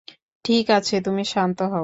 ঠিক আছে, তুমি শান্ত হও।